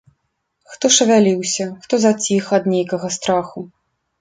Хто шавяліўся, хто заціх ад нейкага страху.